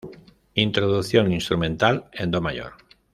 Introducción instrumental en Do mayor.